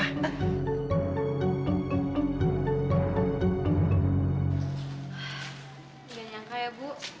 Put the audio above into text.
gak nyangka ya bu